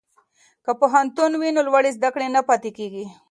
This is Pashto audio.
که پوهنتون وي نو لوړې زده کړې نه پاتیږي.